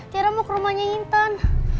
kira mau ke rumahnya intan